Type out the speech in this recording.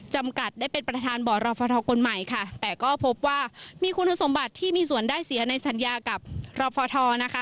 จำกัดได้เป็นประธานบ่อรฟทคนใหม่ค่ะแต่ก็พบว่ามีคุณสมบัติที่มีส่วนได้เสียในสัญญากับรพทนะคะ